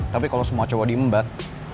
tapi kalo semua cowok diembat